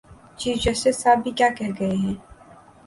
Chief justice sahib بھی کیا کہہ گئے ہیں؟